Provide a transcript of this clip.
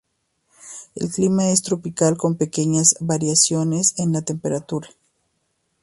El clima es tropical con unas pequeñas variaciones en la temperatura.